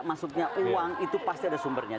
masuknya uang itu pasti ada sumbernya